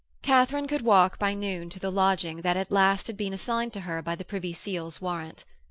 Katharine could walk by noon to the lodging that had at last been assigned to her by Privy Seal's warrant.